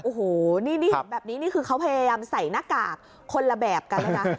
โอ้โหแบบนี้คือเขาพยายามใส่หน้ากากคนละแบบกันแล้วนะ